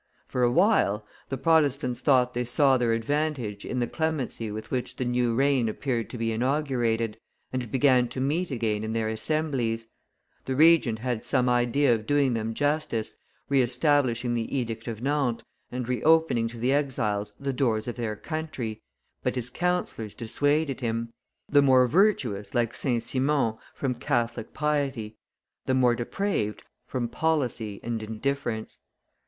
For a while the Protestants thought they saw their advantage in the clemency with which the new reign appeared to be inaugurated, and began to meet again in their assemblies; the Regent had some idea of doing them justice, re establishing the Edict of Nantes, and re opening to the exiles the doors of their country, but his councillors dissuaded him; the more virtuous, like St. Simon, from Catholic piety, the more depraved from policy and indifference.